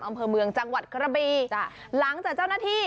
อำเภอเมืองจังหวัดกระบีหลังจากเจ้านาธิ